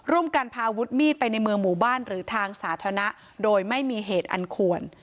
การพาอาวุธมีดไปในเมืองหมู่บ้านหรือทางสาธารณะโดยไม่มีเหตุอันควร